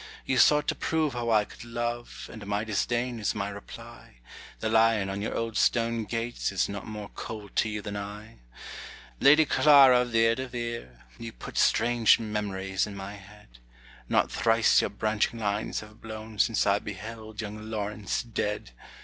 You sought to prove how I could love, And my disdain is my reply. The lion on your old stone gates Is not more cold to you than I. Lady Clara Vere de Vere, You put strange memories in my head. Not thrice your branching lines have blown Since I beheld young Laurence dead.